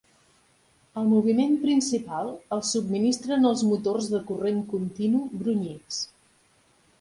El moviment principal el subministren els motors de corrent continu brunyits.